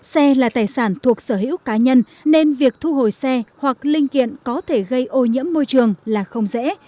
xe là tài sản thuộc sở hữu cá nhân nên việc thu hồi xe hoặc linh kiện có thể gây ô nhiễm môi trường